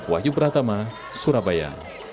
wahyu pratama surabaya